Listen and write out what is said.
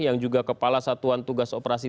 yang juga kepala satuan tugas operasi